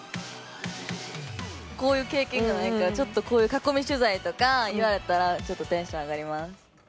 こういう経験がないから、ちょっとこういう囲み取材とか、今やったらちょっとテンション上がります。